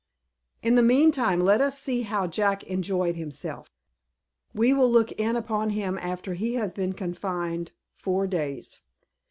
In the mean time, let us see how Jack enjoyed himself. We will look in upon him after he has been confined four days.